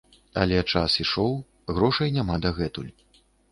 Але час ішоў, грошай няма дагэтуль.